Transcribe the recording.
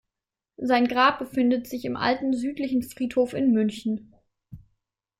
Sein Grab befindet sich im alten Südlichen Friedhof in München.